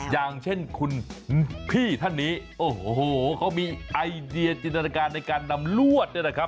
อย่างเช่นคุณพี่ท่านนี้โอ้โหเขามีไอเดียจินตนาการในการนำลวดเนี่ยนะครับ